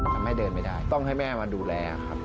ทำให้เดินไม่ได้ต้องให้แม่มาดูแลครับ